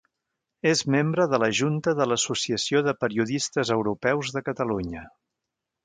És membre de la junta de l'Associació de Periodistes Europeus de Catalunya.